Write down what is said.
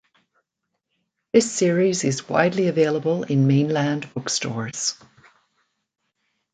This series is widely available in Mainland bookstores.